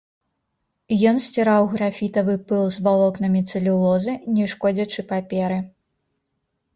Ён сціраў графітавы пыл з валокнамі цэлюлозы не шкодзячы паперы.